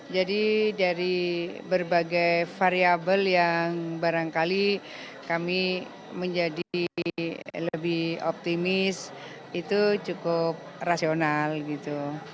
jadi dari berbagai variable yang barangkali kami menjadi lebih optimis itu cukup rasional gitu